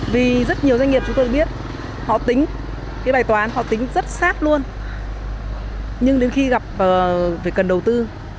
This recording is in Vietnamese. và cái giống mới cũng phải có đầu tư